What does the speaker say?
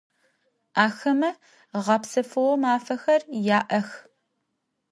Axeme ğepsefığo mafexer ya'ex.